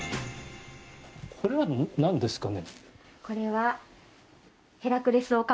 これはなんですかね。